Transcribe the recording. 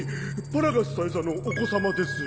パラガス大佐のお子さまです。